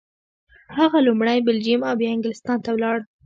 هغه لومړی بلجیم او بیا انګلستان ته ولاړ.